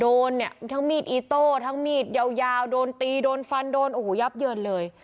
โดนเนี่ยทั้งมีดอิโต้ทั้งมีดยาวโดนตีโดนฟันโดนโอ้โหยับเยินเลย